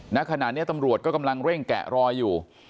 ณขณะนี้ตำรวจก็กำลังเร่งแกะรอยอยู่